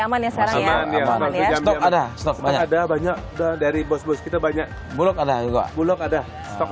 aman ya sekarang ya ada banyak dari bos bos kita banyak buluk ada juga buluk ada stok